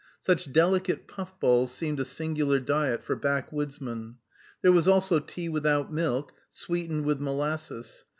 Such delicate puffballs seemed a singular diet for backwoodsmen. There was also tea without milk, sweetened with molasses.